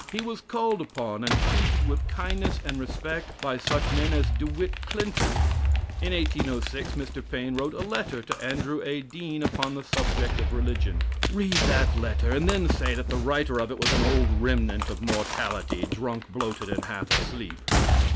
He was called upon and treated with kindness and respect by such men as De Witt Clinton. In 1806 Mr. Paine wrote a letter to Andrew A. Dean upon the subject of religion. Read that letter and then say that the writer of it was an old remnant of mortality, drunk, bloated, and half asleep.